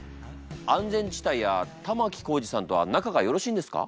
安全地帯や玉置浩二さんとは仲がよろしいんですか？